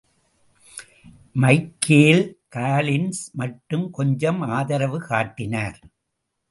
Michael Collins மட்டும் கொஞ்சம் ஆதரவு காட்டினார்.